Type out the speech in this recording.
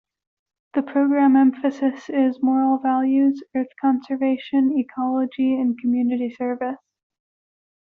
The program emphasis is moral values, earth conservation, ecology and community service.